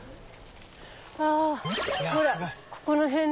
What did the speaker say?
あほらここの辺ね